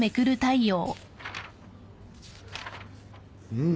うん。